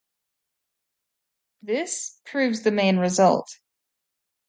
This proves the main result.